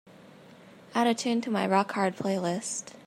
add a tune to my rock hard playlist